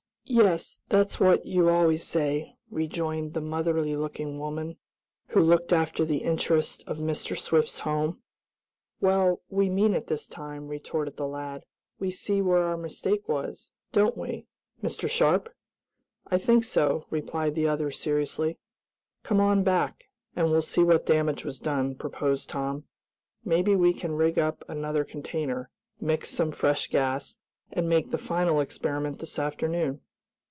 "Yes; that's what you always say," rejoined the motherly looking woman, who looked after the interests of Mr. Swift's home. "Well, we mean it this time," retorted the lad. "We see where our mistake was; don't we. Mr. Sharp?" "I think so," replied the other seriously. "Come on back, and we'll see what damage was done," proposed Tom. "Maybe we can rig up another container, mix some fresh gas, and make the final experiment this afternoon."